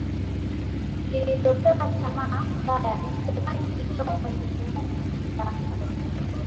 lililopewa Tamaa mbaya Nitaifanya ikiwa Mwenyezi Mungu anataka